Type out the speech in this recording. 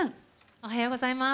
おはようございます。